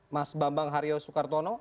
mas bambang harjo soekarno